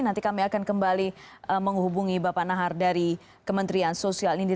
nanti kami akan kembali menghubungi bapak nahar dari kementerian sosial ini